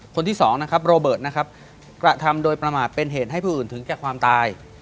คนที่สองนะครับโรเบิร์ตนะครับกระทำโดยประมาทเป็นเหตุให้ผู้อื่นถึงแก่ความตาย